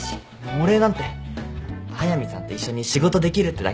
お礼なんて速見さんと一緒に仕事できるってだけで十分です。